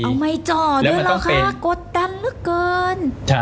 เอาไม่จ่อด้วยเหรอคะกดดันเหลือเกิน